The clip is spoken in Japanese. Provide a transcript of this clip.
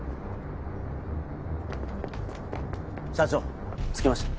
社長着きました。